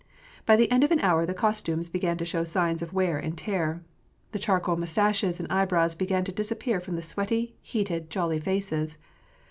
By the end of an hour the costumes began to show signs of wear and tear. The charcoal mustaches and eyebrows began to disappear from the sweaty, heated, jolly faces.